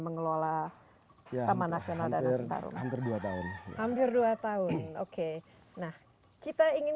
mengelola taman nasional danau sentarung hampir dua tahun hampir dua tahun oke nah kita ingin